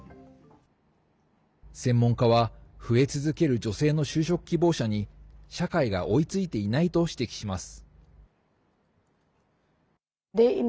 専門家は増え続ける女性の就職希望者に社会が追いついていないと指摘します。